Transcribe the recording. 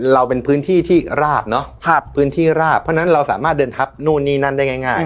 เราเป็นพื้นที่ที่ราบเนอะพื้นที่ราบเพราะฉะนั้นเราสามารถเดินทับนู่นนี่นั่นได้ง่าย